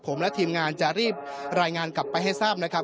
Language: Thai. ผมและทีมงานจะรีบรายงานกลับไปให้ทราบนะครับ